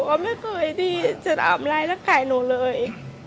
ก็ไม่เคยที่จะอำลาฬักษณ์ของหนูเลย